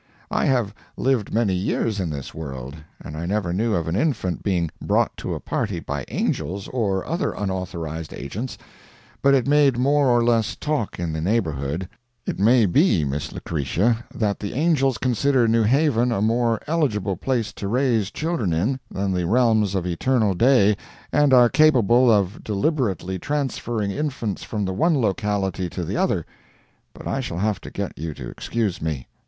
I have lived many years in this world, and I never knew of an infant being brought to a party by angels, or other unauthorized agents, but it made more or less talk in the neighborhood. It may be, Miss Lucretia, that the angels consider New Haven a more eligible place to raise children in than the realms of eternal day, and are capable of deliberately transferring infants from the one locality to the other; but I shall have to get you to excuse me.